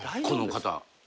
この方。